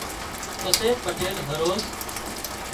پسي پٽيل هروز